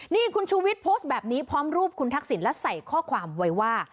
นี่คุณชูวิทย์โพสต์แบบนี้พร้อมรูปคุณทักษิณและใส่ข้อความไว้ว่า